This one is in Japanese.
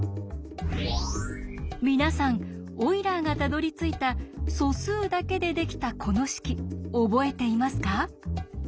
皆さんオイラーがたどりついた素数だけでできたこの式覚えていますか？